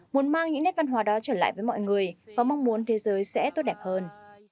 muốn mang những nét văn hóa đó trở lại với mọi người và mong muốn thế giới sẽ tốt đẹp hơn